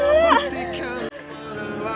terima kasih ya allah